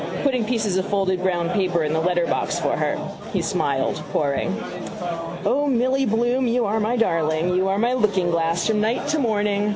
Putting pieces of folded brown paper in the letterbox for her. He smiled, pouring. O, Milly Bloom, you are my darling. You are my lookingglass from night to morning.